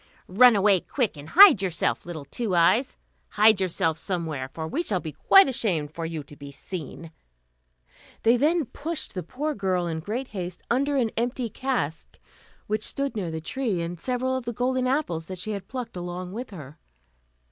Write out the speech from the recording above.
"Run away, quick, and hide yourself, little Two Eyes; hide yourself somewhere, for we shall be quite ashamed for you to be seen." Then they pushed the poor girl, in great haste, under an empty cask, which stood near the tree, and several of the golden apples that she had plucked along with her.